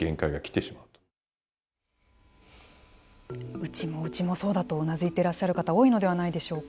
うちもうちもそうだとうなずいていらっしゃる方多いのではないでしょうか。